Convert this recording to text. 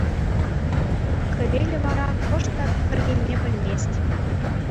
Хӗвелӗ вара кӑшт та хӗрхенме пӗлмест.